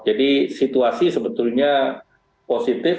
jadi situasi sebetulnya positif